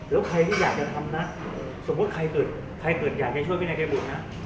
เดี๋ยวใครที่อยากจะทำนะสมมุติใครเกิดอยากช่วยพี่นายเกดบุญนะ